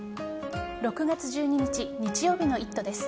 ６月１２日日曜日の「イット！」です。